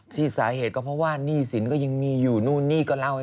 ที่สาเหตุก็เพราะว่าหนี้สินก็ยังมีอยู่นู่นนี่ก็เล่าให้